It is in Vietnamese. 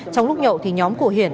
trong lúc nhậu thì nhóm của hiển